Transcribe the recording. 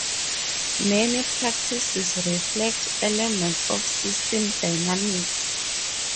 Many practices reflect elements of systems dynamics.